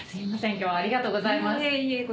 今日はありがとうございます」